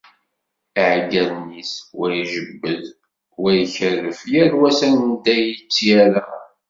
Iεeggalen-is, wa ijebbed, wa ikerref, yal wa s anda i tt-yerra.